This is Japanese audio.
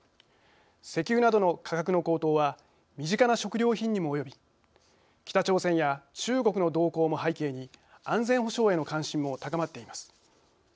石油などの価格の高騰は身近な食料品にも及び北朝鮮や中国の動向も背景に安全保障への関心も高まっています。